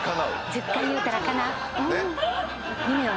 １０回言うたら叶う。